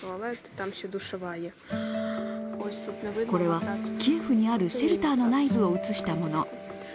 これはキエフにあるシェルターの内部を映したもの。